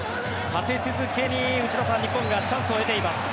立て続けに内田さん日本がチャンスを得ています。